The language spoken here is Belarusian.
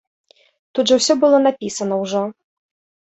Тут жа ўсё было напісана ўжо.